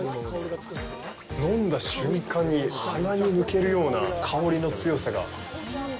飲んだ瞬間に鼻に抜けるような香りの強さが。